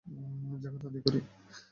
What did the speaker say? যাকাত আদায় করি।